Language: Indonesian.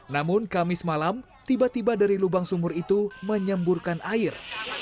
namun kamis malam tiba tiba dari lubang sumur itu menyemburkan air